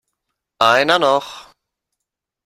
Einer noch!